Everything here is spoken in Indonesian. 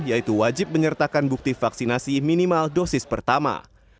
yaitu wajib menyertakan bukti vaksinasi minimal dosis pertama